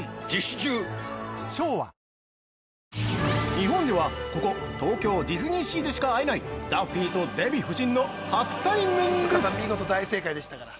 ◆日本では、ここ東京ディズニーシーでしか会えないダッフィーとデヴィ夫人の初対面です！